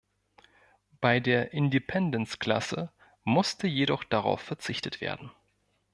Bei der "Independence"-Klasse musste jedoch darauf verzichtet werden.